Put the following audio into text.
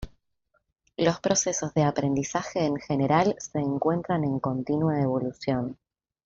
Los procesos de aprendizaje en general, se encuentran en continua evolución.